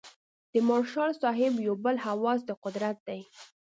د مارشال صاحب یو بل هوس د قدرت دی.